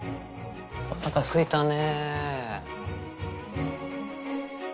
おなかすいたね。